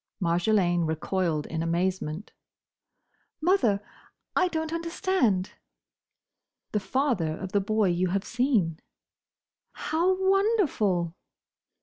Marjolaine recoiled in amazement. "Mother!—I don't understand!" "The father of the boy you have seen!" "How wonderful!"